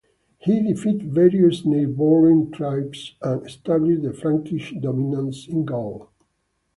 He defeated various neighboring tribes and established the Frankish dominance in Gaul.